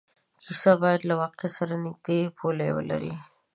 کیسه باید له واقعیت سره نږدې پولې ولري.